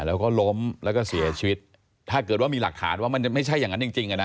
แล้วก็ล้มแล้วก็เสียชีวิตถ้าเกิดว่ามีหลักฐานว่ามันไม่ใช่อย่างนั้นจริงจริงอ่ะนะ